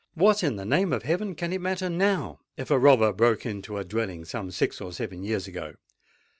What, in the name of heaven! can it matter now, if a robber broke into a dwelling some six or seven years ago?